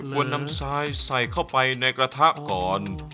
ควรนำซ้ายใส่เข้าไปในกระทะก่อน